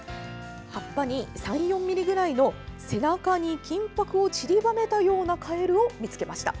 葉に３４ｍｍぐらいの背中に金ぱくをちりばめたようなカエルを見つけました。